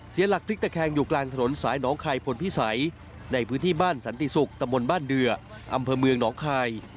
เสียหลักพลิกตะแคงอยู่กลางถนนสายหนองคายพลพิสัยในพื้นที่บ้านสันติศุกร์ตะบนบ้านเดืออำเภอเมืองหนองคาย